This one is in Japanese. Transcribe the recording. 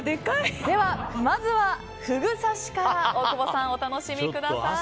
では、まずはふぐ刺しから大久保さん、お楽しみください。